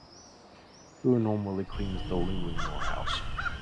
Who normally cleans the loo in your house?